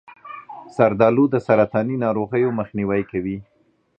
زردآلو د سرطاني ناروغیو مخنیوی کوي.